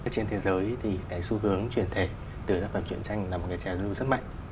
trên thế giới thì cái xu hướng truyền thể từ tác phẩm truyền tranh là một cái trái lưu rất mạnh